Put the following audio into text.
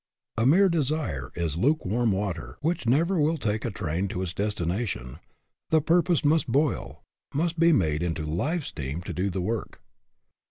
A mere desire is luke warm water, which never will take a train to its destination; the purpose must boil, must be made into live steam to do the work.